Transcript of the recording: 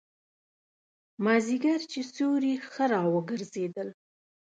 مازیګر چې سیوري ښه را وګرځېدل.